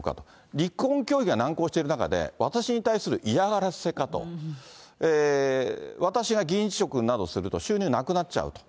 離婚協議が難航している中で、私に対する嫌がらせかと、私が議員辞職などすると、収入なくなっちゃうと。